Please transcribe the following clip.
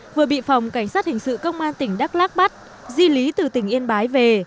vừa bị phòng cảnh sát hình sự công an tỉnh đắk lắc bắt di lý từ tỉnh yên bái về